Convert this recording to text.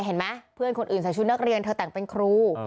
เห็นไหมเพื่อนคนอื่นใส่ชุดนักเรียนเธอแต่งเป็นครู